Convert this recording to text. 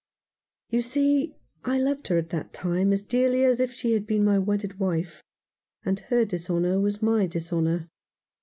"You see, I loved her at that time as dearly as if she had been my wedded wife, and her dis honour was my dishonour.